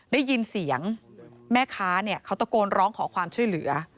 ได้ยินเสียงแม่ค้าเขาตะโกนร้องขอความช่วยเหลือ